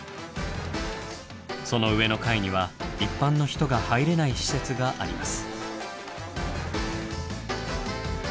その上の階には一般の人が入れない施設があります。